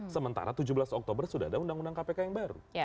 sementara tujuh belas oktober sudah ada undang undang kpk yang baru